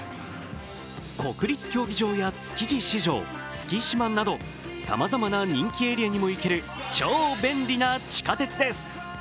国立競技場や築地市場、月島などさまざまな人気エリアにも行ける超便利な地下鉄です。